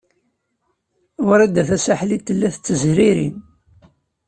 Wrida Tasaḥlit tella tettezriri.